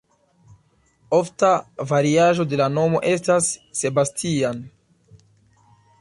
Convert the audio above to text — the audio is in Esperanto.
Ofta variaĵo de la nomo estas "Sebastian".